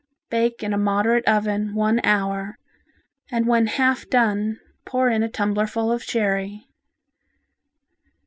Bake in a moderate oven one hour, and when half done pour in a tumbler of sherry.